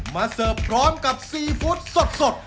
เสิร์ฟพร้อมกับซีฟู้ดสด